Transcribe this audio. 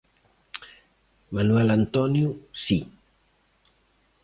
Manoel Antonio si.